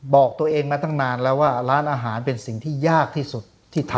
บอกตัวเองมาตั้งนานแล้วว่าร้านอาหารเป็นสิ่งที่ยากที่สุดที่ทำ